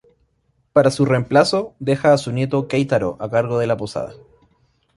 Para su reemplazo, deja a su nieto Keitaro a cargo de la posada.